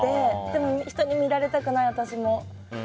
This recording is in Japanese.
でも人に見られたくない、私も。